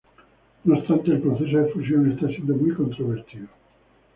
No obstante el proceso de fusión está siendo muy controvertido.